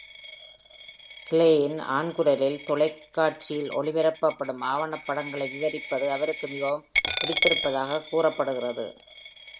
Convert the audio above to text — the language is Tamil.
கிலேயின் ஆண் குரலில் தொலைக்காட்சியில் ஒளிபரப்படும் ஆவணப்படங்களை விவரிப்பது அவருக்கு மிகவும் பிடித்திருப்பதாக கூறப்படுகிறது.